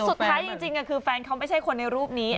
จริงคือแฟนเขาไม่ใช่คนในรูปนี้